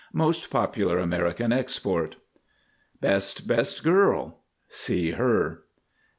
Most popular American export. BEST. Best girl—see Her.